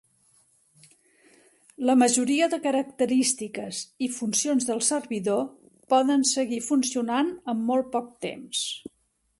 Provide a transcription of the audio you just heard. La majoria de característiques i funcions del servidor poden seguir funcionant amb molt poc temps.